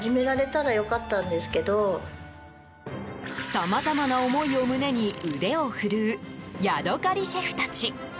さまざまな思いを胸に腕を振るうヤドカリシェフたち。